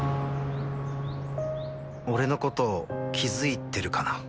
俺のこと、気づいてるかな。